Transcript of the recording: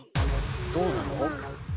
どうなの？